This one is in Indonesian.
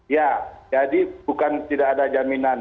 ya jadi bukan tidak ada jaminan